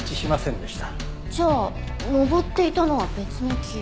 じゃあ登っていたのは別の木。